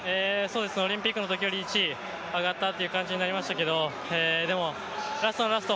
オリンピックのときより１位上がったっていう感じになりましたけども、でもラストのラスト